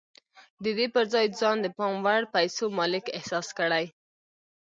د دې پر ځای ځان د پام وړ پيسو مالک احساس کړئ.